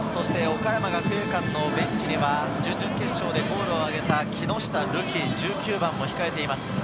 岡山学芸館のベンチには準々決勝でゴールを挙げた木下瑠己、１９番も控えています。